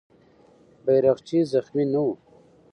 بیرغچی زخمي نه و.